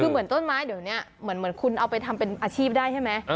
คือเหมือนต้นไม้เดี๋ยวนี้เหมือนคุณเอาไปทำเป็นอาชีพได้ใช่ไหม